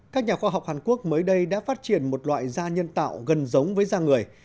các nhà khoa học hàn quốc mới đây đã phát triển một loại da nhân tạo gần giống với da người